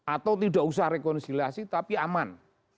atau tidak usah rekonsiliasi tapi aman